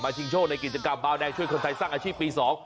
ชิงโชคในกิจกรรมบาวแดงช่วยคนไทยสร้างอาชีพปี๒